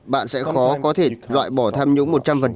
bạn sẽ khó có thể loại bỏ tham nhũng một trăm linh